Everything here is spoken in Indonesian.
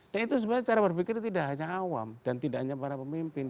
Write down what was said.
dan itu sebenarnya cara berpikirnya tidak hanya awam dan tidak hanya para pemimpin